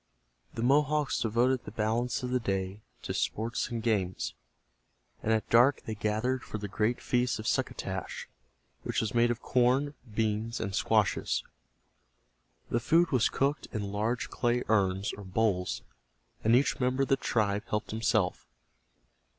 The Mohawks devoted the balance of the day to sports and games, and at dark they gathered for the great feast of succotash, which was made of corn, beans and squashes. The food was cooked in large clay urns, or bowls, and each member of the tribe helped himself.